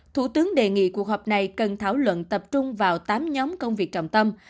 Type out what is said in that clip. thủ tướng đề nghị cuộc họp này cần thảo luận tập trung vào tám nhóm công việc trọng tâm